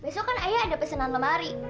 besok kan ayah ada pesanan lemari